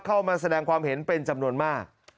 เข้ามาแสดงความเห็นเป็นจำนวนมาก